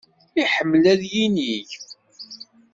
Iḥemmel ad yinig.